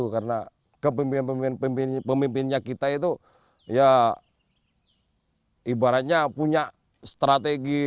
karena kepemimpin pemimpinnya kita itu ibaratnya punya strategi